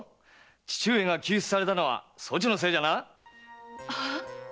父上が急死されたのはそちのせいじゃな。は？